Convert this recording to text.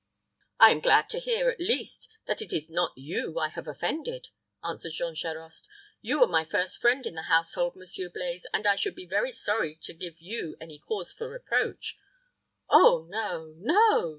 "I am glad to hear, at least, that it is not you I have offended," answered Jean Charost. "You were my first friend in the household, Monsieur Blaize, and I should be very sorry to give you any cause for reproach." "Oh, no no!"